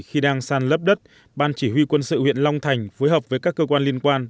khi đang san lấp đất ban chỉ huy quân sự huyện long thành phối hợp với các cơ quan liên quan